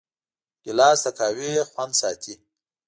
ګیلاس د قهوې خوند ساتي.